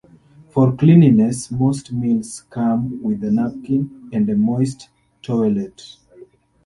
For cleanliness, most meals come with a napkin and a moist towelette.